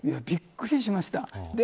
びっくりしました。